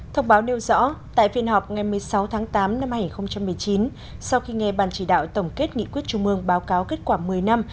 thông báo nêu rõ tại phiên họp ngày một mươi sáu tám hai nghìn một mươi chín sau khi nghe bàn chỉ đạo tổng kết nghị quyết chung mương báo cáo kết quả một mươi năm